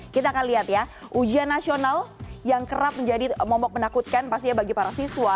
kita akan lihat ya ujian nasional yang kerap menjadi momok menakutkan pastinya bagi para siswa